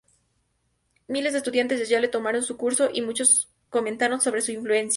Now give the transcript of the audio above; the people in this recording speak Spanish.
Miles de estudiantes de Yale tomaron sus cursos, y muchos comentaron sobre su influencia.